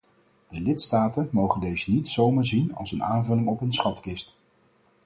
De lidstaten mogen deze niet zomaar zien als een aanvulling op hun schatkist.